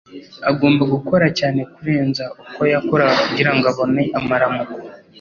agomba gukora cyane kurenza uko yakoraga kugirango abone amaramuko.